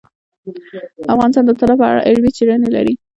افغانستان د طلا په اړه علمي څېړنې لري.